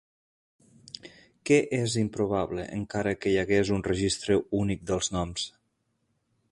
Què és improbable encara que hi hagués un registre únic dels noms?